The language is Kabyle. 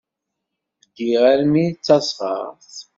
Ddiɣ armi d tasɣert.